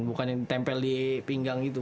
bukan yang ditempel di pinggang gitu